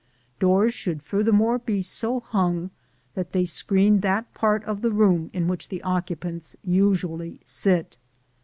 Doors should furthermore be so hung that they screen that part of the room in which the occupants usually sit.